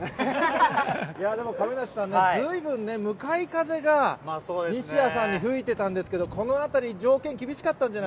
いや、でも亀梨さんね、随分ね、向かい風が、西矢さんに吹いてたんですけど、このあたり、条件厳しかったんじ